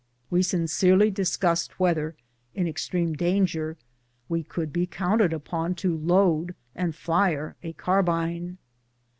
We sincerely discussed whether, in extreme danger, we could be counted upon to load and fire a carbine.